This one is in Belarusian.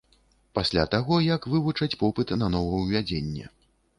Пасля таго, як вывучаць попыт на новаўвядзенне.